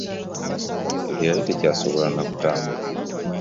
Ente yali tekyasobola na kutambula.